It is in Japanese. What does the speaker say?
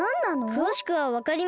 くわしくはわかりません。